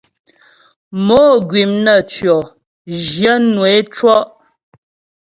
Mò gwìm naə́tʉɔ̂, zhwyə̂nwə é cɔ́'.